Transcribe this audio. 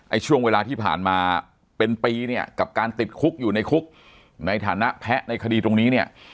ช่วงเวลาที่ผ่านมาเป็นปีเนี่ยกับการติดคุกอยู่ในคุกในฐานะแพ้ในคดีตรงนี้เนี่ย